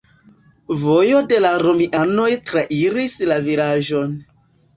Vojo de la romianoj trairis la vilaĝon.